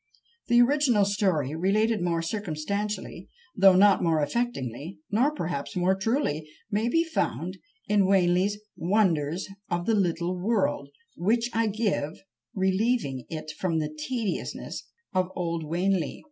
The original story, related more circumstantially, though not more affectingly, nor perhaps more truly, may be found in Wanley's "Wonders of the Little World," which I give, relieving it from the tediousness of old Wanley.